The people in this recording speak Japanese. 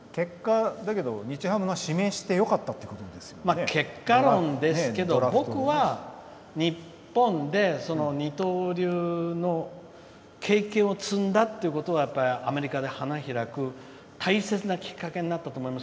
日ハムが指名してよかった結果論ですけど僕は日本で二刀流の経験を積んだってことはアメリカで花開く大切なきっかけになったと思います。